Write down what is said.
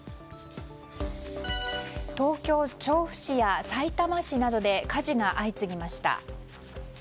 東京・調布市やさいたま市などで火事が相次ぎました。